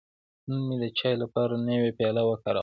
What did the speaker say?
نن مې د چای لپاره نوی پیاله وکاروله.